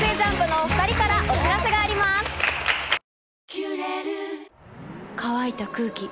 「キュレル」乾いた空気。